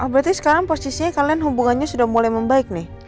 berarti sekarang posisinya kalian hubungannya sudah mulai membaik nih